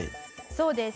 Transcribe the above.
そうです。